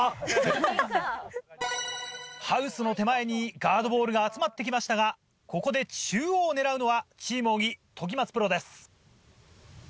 ハウスの手前にガードボールが集まって来ましたがここで中央を狙うのはチーム小木・時松プロです。